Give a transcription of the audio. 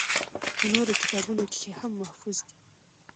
پۀ نورو کتابونو کښې هم محفوظ دي